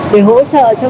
để hỗ trợ cho các